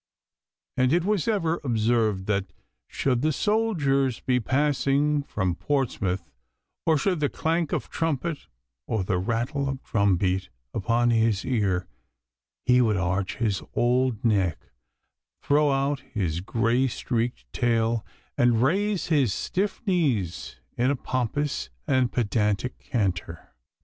And it was ever observed that, should the soldiers be passing from Portsmouth, or should the clank of trumpet or the rattle of drum break upon his ear, he would arch his old neck, throw out his grey streaked tail, and raise his stiff knees in a pompous and pedantic canter.